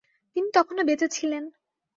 তিনি তখনো বেঁচে ছিলেন।